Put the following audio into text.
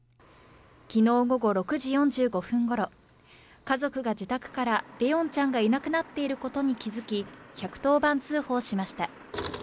昨日午後６時４５分ごろ、家族が自宅から怜音ちゃんがいなくなっていることに気づき、１１０番通報しました。